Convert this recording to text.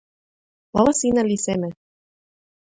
wawa sina li seme?